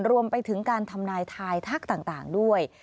รวมไปถึงการทำนายทายทักต่างด้วย